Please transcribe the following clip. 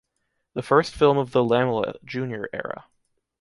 The first film of the Laemmle Jr. era.